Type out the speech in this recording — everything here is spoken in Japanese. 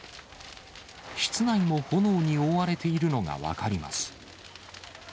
室内も炎に覆われているのが分かります。